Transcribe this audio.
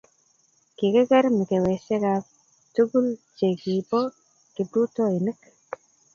kikiker mikawesiekab tugul che kibo kiprutoinik